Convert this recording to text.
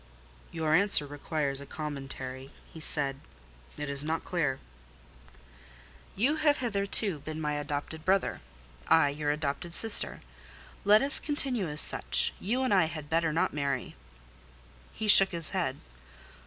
"Your answer requires a commentary," he said; "it is not clear." "You have hitherto been my adopted brother—I, your adopted sister: let us continue as such: you and I had better not marry." He shook his head.